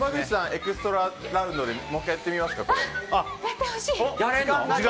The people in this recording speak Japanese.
エクストララウンドでもう１回やってみますか？